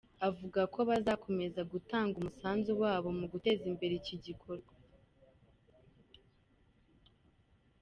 Avuga ko bazakomeza gutanga umusanzu wabo mu guteza imbere iki gikorwa.